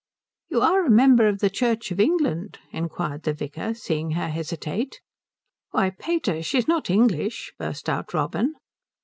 "You are a member of the Church of England?" inquired the vicar, seeing her hesitate. "Why, pater, she's not English," burst out Robin.